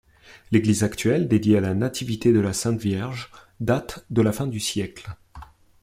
L'église actuelle, dédiée à la Nativité-de-la-Sainte-Vierge, date de la fin du siècle.